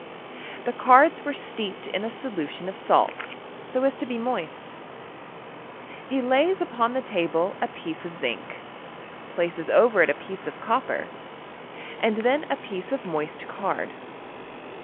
The cards were steeped in a solution of salt, so as to be moist. He lays upon the table a piece of zinc, places over it a piece of copper, and then a piece of moist card.